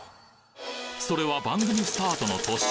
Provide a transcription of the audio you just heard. それは番組スタートの年